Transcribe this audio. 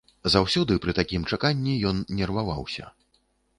Заўсёды пры такім чаканні ён нерваваўся.